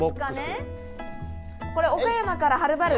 これ岡山からはるばる？